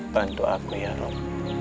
bantu aku ya allah